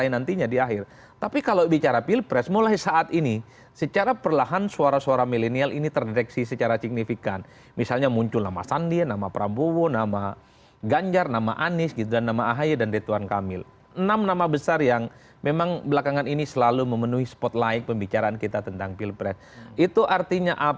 yang akan lolos verifikasi faktual untuk ikut dua ribu dua puluh empat